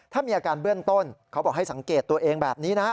ถ้ามีอาการเบื้องต้นเขาบอกให้สังเกตตัวเองแบบนี้นะ